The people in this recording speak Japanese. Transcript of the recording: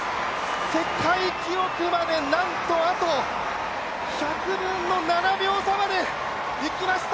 世界記録まで、なんとあと１００分の７秒差までいきました。